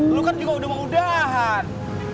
lo kan juga udah mau udahan